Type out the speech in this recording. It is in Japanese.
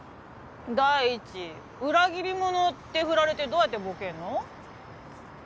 第一裏切り者って振られてどうやってボケるの？